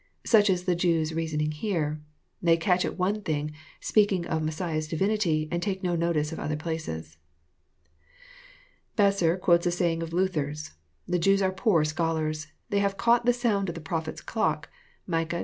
Such is the Jews' reasoning here. They catch at one thing, speaking of Messiah*s Divinity, and take no notice of other places." Besser quotes a saying of Luther's: The Jews are poor scholars. They have caught the sound of the prophet's clock, (Micah.